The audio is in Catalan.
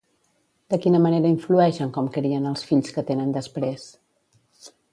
De quina manera influeix en com crien els fills que tenen després?